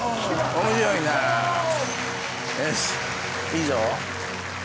いいぞ。